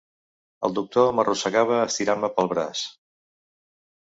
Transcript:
El doctor m'arrossegava estirant-me pel braç